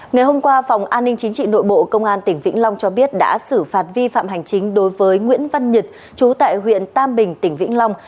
ngày hôm qua phòng an ninh chính trị nội bộ công an tỉnh vĩnh long cho biết đã xử phạt vi phạm hành chính đối với nguyễn văn nhật chú tại huyện tam bình tỉnh vĩnh long